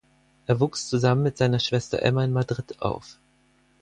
Er wuchs zusammen mit seiner Schwester Emma in Madrid auf.